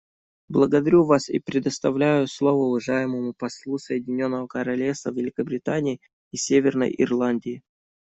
Благодарю вас и предоставляю слово уважаемому послу Соединенного Королевства Великобритании и Северной Ирландии.